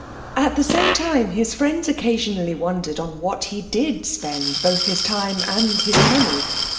At the same time his friends occasionally wondered on what he did spend both his time and his money.